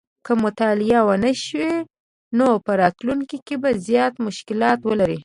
که مطالعه ونه شي نو په راتلونکي کې به زیات مشکلات ولري